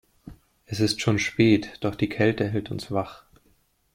Es ist schon spät, doch die Kälte hält uns wach.